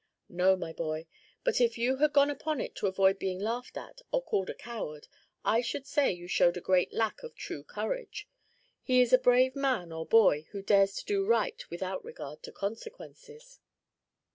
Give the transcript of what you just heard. "No, my boy; but if you had gone upon it to avoid being laughed at or called a coward, I should say you showed a great lack of true courage. He is a brave man or boy who dares to do right without regard to consequences."